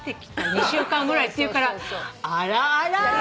２週間ぐらいって言うから「あらあらあらぁ？」